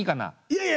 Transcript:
いやいや！